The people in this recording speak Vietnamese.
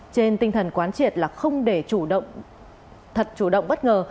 trên tinh thần quán triệt là không để thật chủ động bất ngờ